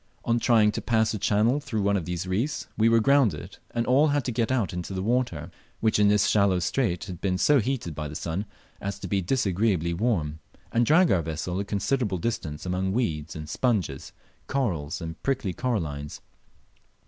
On trying to pass a channel through one of these reefs we were grounded, and all had to get out into the water, which in this shallow strait had been so heated by the sun as to be disagreeably warm, and drag our vessel a considerable distance among weeds and sponges, corals and prickly corallines.